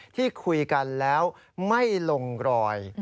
ที่คุยกันแล้วไม่ลงรอย